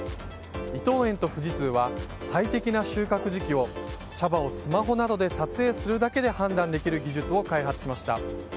伊藤園と富士通は最適な収穫時期を茶葉をスマホなどで撮影するだけで判断できる技術を開発しました。